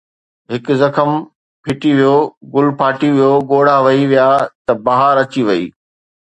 هڪ زخم ڦٽي ويو، گل ڦاٽي پيو، ڳوڙها وهي ويا ته بهار اچي وئي